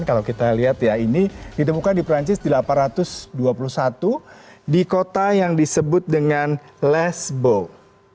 kalau kita lihat ya ini ditemukan di perancis di delapan ratus dua puluh satu di kota yang disebut dengan last boat